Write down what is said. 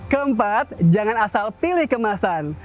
keempat jangan asal pilih kemasan